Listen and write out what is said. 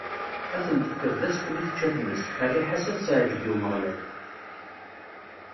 Ad ten-tefkeḍ d asfel i tečča tmes, rriḥa-s ad teɛǧeb i Umeɣlal.